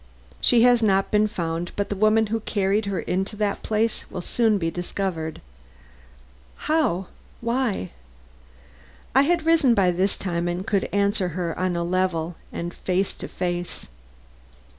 "She has not been found, but the woman who carried her into that place will soon be discovered." "How? Why?" I had risen by this time and could answer her on a level and face to face.